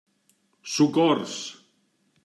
Socors!